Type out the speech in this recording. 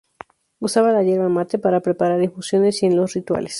Usaban la yerba mate para preparar infusiones y en los rituales.